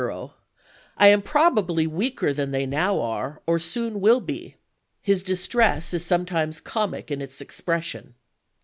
YORKTOWN 365 " I am probably weaker than they now are, or soon chap. xx. will be." His distress is sometimes comic in its ex pression.